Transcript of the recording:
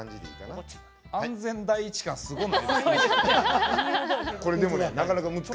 安全第一感がすごい。